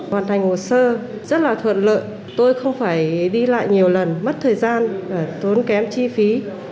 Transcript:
hoàn thành hồ sơ rất là thuận lợi tôi không phải đi lại nhiều lần mất thời gian tốn kém chi phí